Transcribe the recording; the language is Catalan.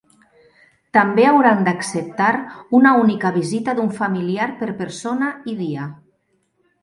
També hauran d’acceptar una única visita d’un familiar per persona i dia.